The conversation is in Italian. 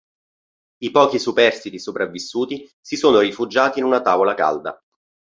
I pochi superstiti sopravvissuti si sono rifugiati in una tavola calda.